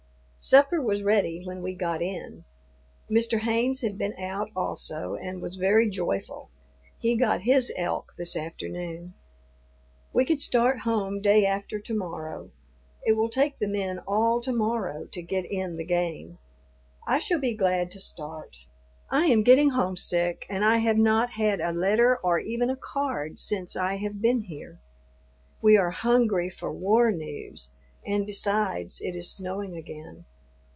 Supper was ready when we got in. Mr. Haynes had been out also and was very joyful; he got his elk this afternoon. We can start home day after to morrow. It will take the men all to morrow to get in the game. I shall be glad to start. I am getting homesick, and I have not had a letter or even a card since I have been here. We are hungry for war news, and besides, it is snowing again.